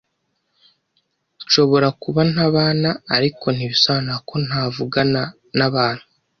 Nshobora kuba ntabana, ariko ntibisobanura ko ntavugana nabantu.